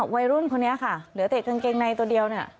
วัยรุ่นคนนี้ค่ะเหลือแต่กางเกงในตัวเดียวเนี่ย